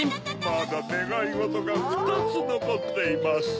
まだねがいごとが２つのこっています。